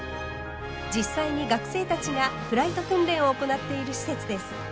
実際に学生たちがフライト訓練を行っている施設です。